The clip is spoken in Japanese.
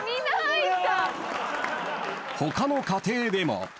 ［他の家庭でも］